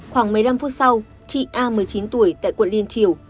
khoảng một mươi năm phút sau chị a một mươi chín tuổi tại quận liên triều